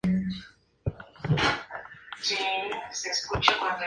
El fruto tiene una alta actividad antioxidante.